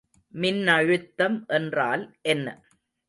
மின்னழுத்தம் என்றால் என்ன?